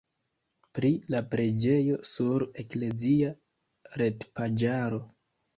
Pri la preĝejo sur eklezia retpaĝaro.